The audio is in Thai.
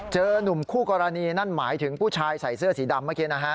หนุ่มคู่กรณีนั่นหมายถึงผู้ชายใส่เสื้อสีดำเมื่อกี้นะฮะ